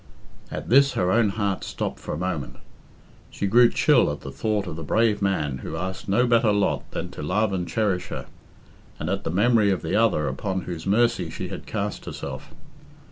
At this her own heart stopped for a moment. She grew chill at the thought of the brave man who asked no better lot than to love and cherish her, and at the memory of the other upon whose mercy she had cast herself.